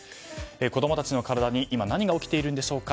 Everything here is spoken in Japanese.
子供たちの体に今、何が起きているんでしょうか。